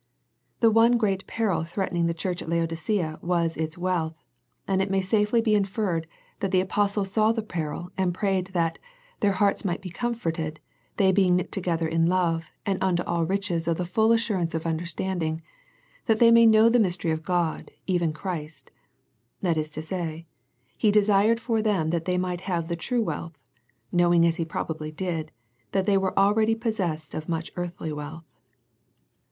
The one great peril threatening the church at Lao dicea was its wealth, and it may safely be in ferred that the apostle saw the peril and prayed that " their hearts might be comforted, they being knit together in love, and unto all riches of the full assurance of understanding, that they may know the mystery of God even Christ," that is to say, he desired for them that they might have the true wealth, knowing as he probably did, that they were already pos sessed of much earthly wealth.